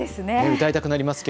歌いたくなりますね。